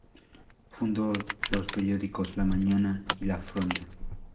Fundó los periódicos "La Mañana" y "La Fronda".